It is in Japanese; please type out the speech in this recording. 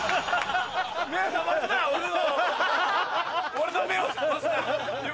俺の目を覚ますな！